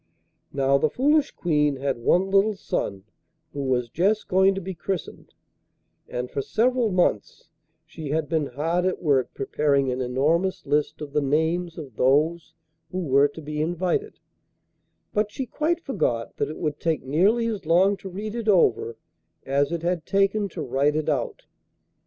Now, the foolish Queen had one little son who was just going to be christened, and for several months she had been hard at work preparing an enormous list of the names of those who were to be invited, but she quite forgot that it would take nearly as long to read it over as it had taken to write it out.